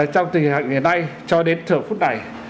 trong tình hình ngày nay cho đến thời phút này